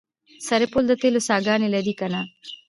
سرپل د تیلو څاګانې لري که نه؟